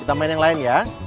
kita main yang lain ya